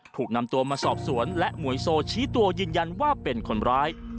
ถูกนำตัวมาสอบสวนและหมวยโซชี้ตัวยืนยันว่าเป็นคนร้าย